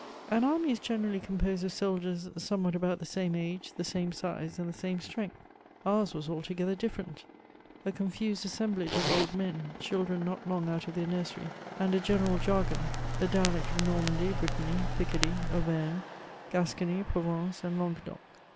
An army is generally composed of soldiers somewhat about the same age, the same size, and the same strength. Ours was altogether different ; a confosed assemblage of old men, duldren not long out of their nursery, and a general jargon, the dialect of N(»mandy, Brittany, Pieardy, Auvergne, Ga» cony, Provence, and Langnedoc.